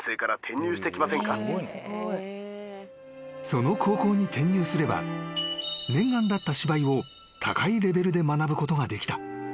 ［その高校に転入すれば念願だった芝居を高いレベルで学ぶことができた］